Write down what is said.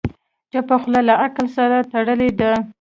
چپه خوله، له عقل سره تړلې ده.